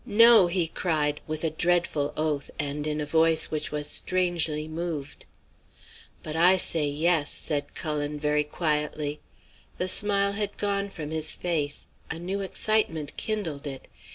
"'No!' he cried, with a dreadful oath and in a voice which was strangely moved. "'But I say yes,' said Cullen, very quietly. The smile had gone from his face; a new excitement kindled it.